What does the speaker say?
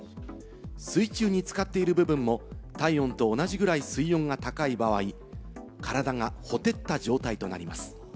水中に浸かっている部分も体温と同じぐらい水温が高い場合、体が火照った状態となります。